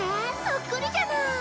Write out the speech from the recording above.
そっくりじゃない。